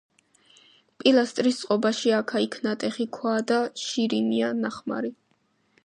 პილასტრის წყობაში აქა-იქ ნატეხი ქვა და შირიმია ნახმარი.